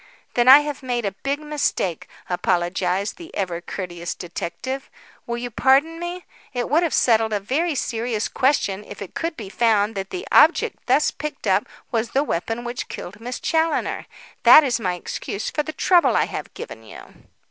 "Then I have made a big mistake," apologised the ever courteous detective. "Will you pardon me? It would have settled a very serious question if it could be found that the object thus picked up was the weapon which killed Miss Challoner. That is my excuse for the trouble I have given you."